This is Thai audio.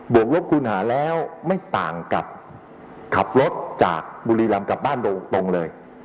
วกลบคูณหาแล้วไม่ต่างกับขับรถจากบุรีรำกลับบ้านโดยตรงเลย